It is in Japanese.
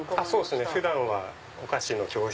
普段はお菓子の教室。